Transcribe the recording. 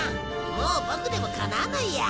もうボクでもかなわないや。